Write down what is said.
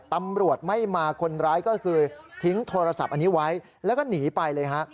ตำรวจไม่มาคนร้ายก็คือทิ้งโทรศัพท์อันนี้ไว้แล้วก็หนีไปเลยฮะ